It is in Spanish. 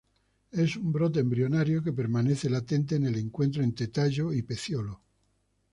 Es un brote embrionario que permanece latente en el encuentro entre tallo y pecíolo.